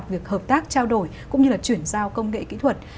việc hợp tác trao đổi cũng như là chuyển giao công nghệ kỹ thuật